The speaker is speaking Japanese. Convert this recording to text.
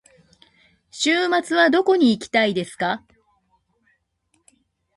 週末はどこに行きたいですか。